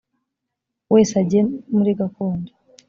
wese ajye muri gakondo